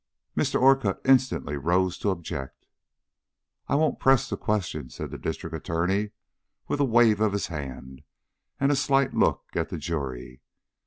Mr. Orcutt instantly rose to object. "I won't press the question," said the District Attorney, with a wave of his hand and a slight look at the jury.